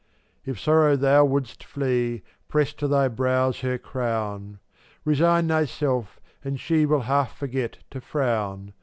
45 1 If sorrow thou wouldst flee, Press to thy brows her crown; Resign thyself, and she Will half forget to frown.